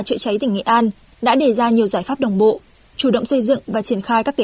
chữa cháy tỉnh nghệ an đã đề ra nhiều giải pháp đồng bộ chủ động xây dựng và triển khai các kế